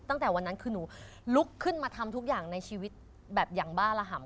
ตั้งแต่วันนั้นคือหนูลุกขึ้นมาทำทุกอย่างในชีวิตแบบอย่างบ้าระห่ำ